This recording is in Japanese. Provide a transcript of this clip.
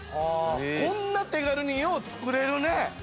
こんな手軽によう作れるね。